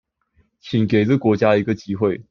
請給這個國家一個機會